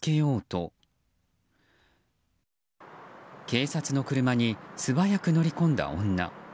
警察の車に素早く乗り込んだ女。